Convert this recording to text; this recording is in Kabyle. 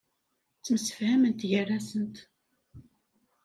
Ttemsifhament gar-asent.